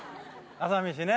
朝飯ね！